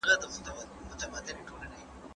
زه له سهاره کالي وچوم؟!